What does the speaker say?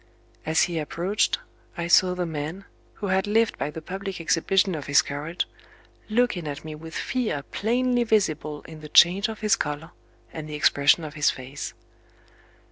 As he approached I saw the man, who had lived by the public exhibition of his courage, looking at me with fear plainly visible in the change of his color, and the expression of his face.